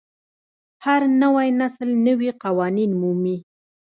هر نوی نسل نوي قوانین مومي.